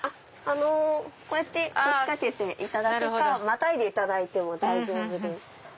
こうやって腰掛けていただくかまたいでいただいても大丈夫です。